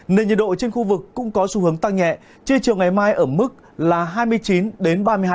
nền nhiệt độ trên khu vực cũng có xu hướng tăng nhẹ